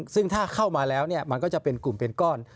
ซึ่งถ้าเข้ามาแล้วมันก็จะเป็นกลุ่มเป็นก้อน